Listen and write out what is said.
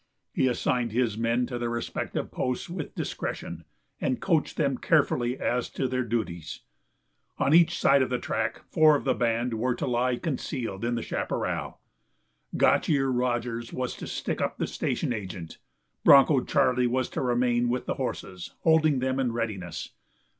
He assigned his men to their respective posts with discretion, and coached them carefully as to their duties. On each side of the track four of the band were to lie concealed in the chaparral. Gotch Ear Rodgers was to stick up the station agent. Bronco Charlie was to remain with the horses, holding them in readiness.